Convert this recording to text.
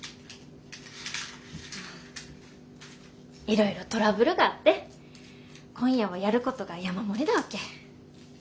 いろいろトラブルがあって今夜はやることが山盛りなわけ。